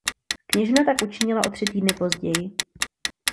Kněžna tak učinila o tři týdny později.